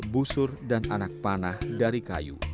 busur dan anak panah dari kayu